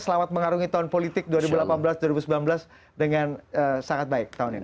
selamat mengarungi tahun politik dua ribu delapan belas dua ribu sembilan belas dengan sangat baik tahun ini